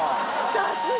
さすが！